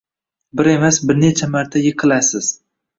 Bir emas bir necha marta yiqilasiz